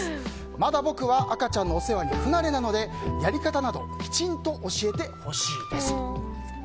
まだ僕は赤ちゃんのお世話に不慣れなのでやり方などきちんと教えてほしいです。